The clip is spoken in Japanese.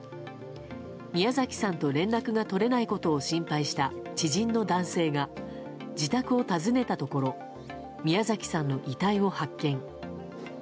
宮崎さんと連絡が取れないことを心配した知人の男性が自宅を訪ねたところ宮崎さんの遺体を発見。